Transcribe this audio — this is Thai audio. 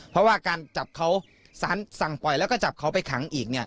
เพราะว่าการจับเขาสารสั่งปล่อยแล้วก็จับเขาไปขังอีก